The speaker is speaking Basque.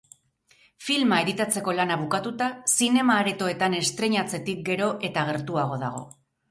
Filma editatzeko lana bukatuta, zinema-aretoetan estreinatzetik gero eta gertuago dago.